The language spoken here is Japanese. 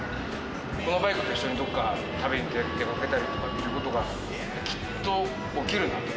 このバイクと一緒に、どこか旅に出かけたりということが、きっと起きるなって。